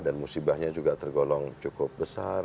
dan musibahnya juga tergolong cukup besar